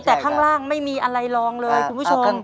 แต่ข้างล่างไม่มีอะไรลองเลยคุณผู้ชม